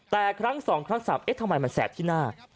แต่ครั้งสองครั้งสามเอ๊ะทำไมมันแสบที่หน้า